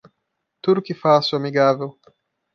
Tudo que faço é amigável.